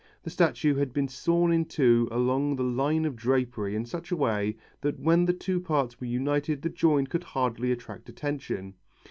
The statue had been sawn in two along the line of the drapery in such a way that when the two parts were united the join could hardly attract attention.